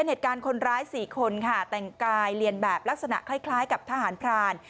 เหตุการณ์คนร้าย๔คนค่ะแต่งกายเรียนแบบลักษณะคล้ายกับทหารพราน